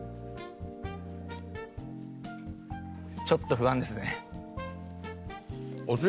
ちょっと不安ですね。